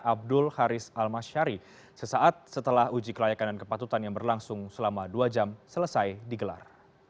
abdul haris almasyari sesaat setelah uji kelayakan dan kepatutan yang berlangsung selama dua jam selesai digelar